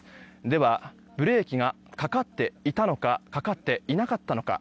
ではブレーキがかかっていたのかかかっていなかったのか。